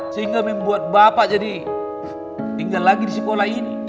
sehingga membuat bapak jadi tinggal lagi di sekolah ini